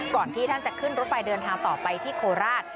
ก่อนที่ท่านจะขึ้นรถไฟเดินทางต่อไปที่โคราช